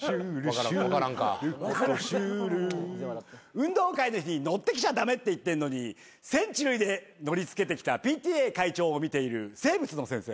運動会の日に乗ってきちゃ駄目って言ってんのにセンチュリーで乗りつけてきたＰＴＡ会長を見ている生物の先生。